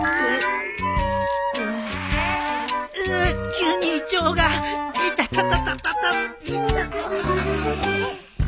急に胃腸が痛たた。